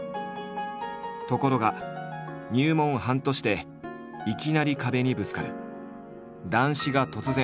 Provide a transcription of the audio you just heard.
ところが入門半年でいきなり壁にぶつかる。